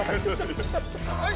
はい！